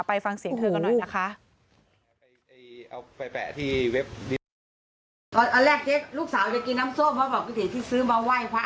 ฟังเสียงเธอกันหน่อยนะคะ